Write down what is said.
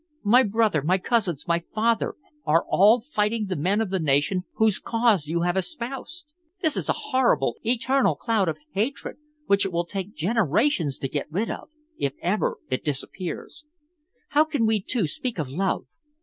My brother, my cousins, my father, are all fighting the men of the nation whose cause you have espoused! There is a horrible, eternal cloud of hatred which it will take generations to get rid of, if ever it disappears. How can we two speak of love!